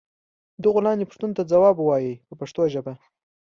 دغو لاندې پوښتنو ته ځواب و وایئ په پښتو ژبه.